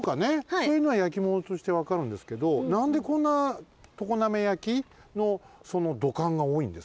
そういうのは焼き物としてわかるんですけどなんでこんな常滑焼？のその土管がおおいんですかね？